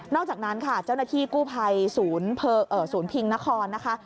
นอกจากนั้นเจ้าหน้าที่กู้ไพยสูญพิงณครนะคะ